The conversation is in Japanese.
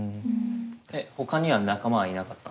ほかには仲間はいなかったの？